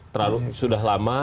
terlalu sudah lama